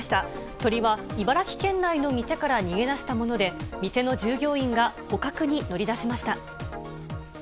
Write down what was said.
鳥は茨城県内の店から逃げ出したもので、店の従業員が捕獲に乗り出しました。